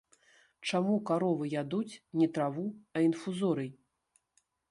Чаму каровы ядуць, не траву, а інфузорый?